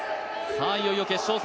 いよいよ決勝。